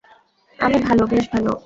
আমি ভালো, বেশ ভালো।